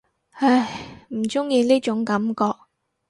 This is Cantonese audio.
唉，唔中意呢種感覺